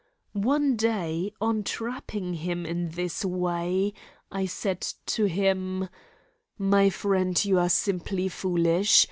One day, on trapping him in this way, I said to him: "My friend, you are simply foolish.